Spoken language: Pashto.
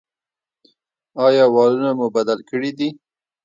ایا والونه مو بدل کړي دي؟